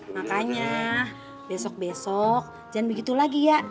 makanya besok besok jangan begitu lagi ya